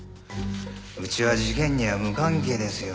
うちは事件には無関係ですよ。